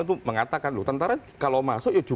itu mengatakan tentara kalau masuk